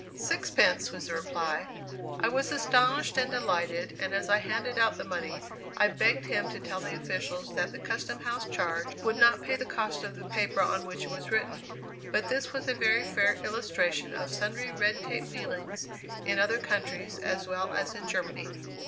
"Sixpence!" was the reply. I was astonished and delighted, and as I handed out the money, I begged him to tell the officials that [Illustration: THE "CUSTOMS" OF THE COUNTRY.] the custom house charge would not pay the cost of the paper on which it was written. But this was a very fair illustration of sundry red tape dealings in other countries as well as in Germany.